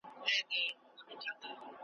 چي په خوب کي او په ویښه مي لیدله .